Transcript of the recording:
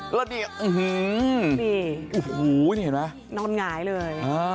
แล้วนี่หรือโอ้โหที่นี่เห็นมั้ยนอนหงายเลย